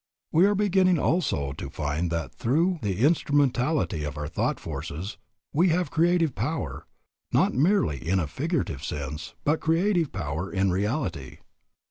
We are beginning also to find that through the instrumentality of our thought forces we have creative power, not merely in a figurative sense, but creative power in reality.